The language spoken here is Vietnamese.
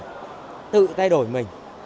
phải tự thay đổi mình